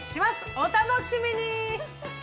お楽しみに。